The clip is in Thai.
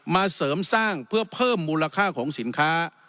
เสริมสร้างเพื่อเพิ่มมูลค่าของสินค้า